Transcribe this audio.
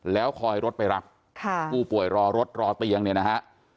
แล้วคอยรถไปรับผู้ป่วยรอรถรอเตียงเนี่ยนะฮะ